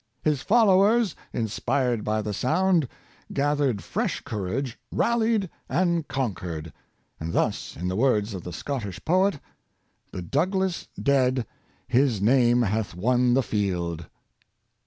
His follow ers, inspired by the sound, gathered fresh courage^ 78 Reverence for Great Men, rallied and conquered; and thus, in the words of the Scottish poet: " The Douglas dead, his name hath won the field."